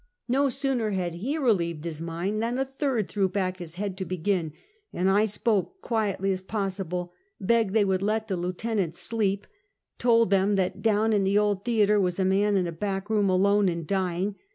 JSTo sooner had he relieved his mind than a third threw back his head to begin, and I spoke, qni etlj as possible; begged they would let the lieutenant sleep; told them that down in the old theater was a man in a back room, alone and dying.